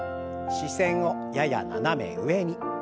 視線をやや斜め上に。